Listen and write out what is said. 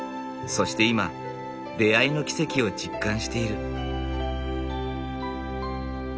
そして今出会いの奇跡を実感している。